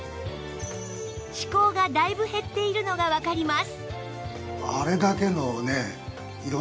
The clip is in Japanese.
歯垢がだいぶ減っているのがわかります